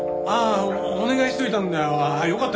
ああお願いしておいたんだよ。